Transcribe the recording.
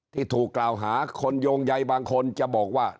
ที่ถูกกล่าวหาคนโยงใยบางคนจะบอกว่า